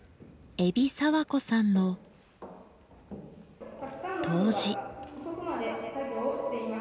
海老佐和子さんの答辞。